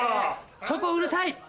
そこうるさい！